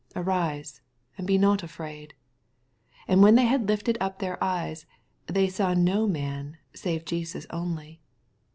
Arise, and be not afhdd. 8 And when tney had lifted up their eyes, they saw noman, save Jesus only.